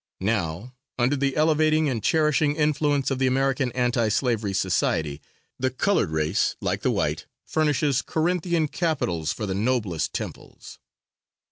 Now, under the elevating and cherishing influence of the American Anti slavery Society, the colored race, like the white, furnishes Corinthian capitals for the noblest temples."